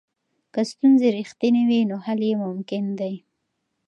که ستونزې رښتینې وي نو حل یې ممکن دی.